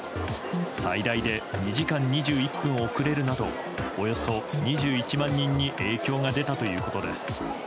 最大で２時間２１分遅れるなどおよそ２１万人に影響が出たということです。